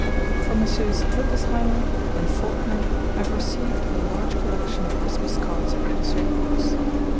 From Messrs. Hildesheimer and Faulkner I have received a large collection of Christmas cards and illustrated books.